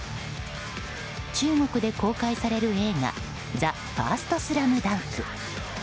中国で公開される映画「ＴＨＥＦＩＲＳＴＳＬＡＭＤＵＮＫ」。